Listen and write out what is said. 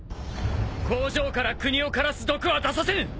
工場から国を枯らす毒は出させぬ！